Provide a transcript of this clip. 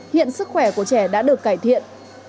hiện sức khỏe của trẻ đã được cải thiện